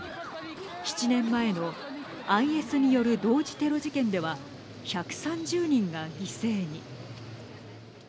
７年前のＩＳによる同時テロ事件では１３０人が犠牲に。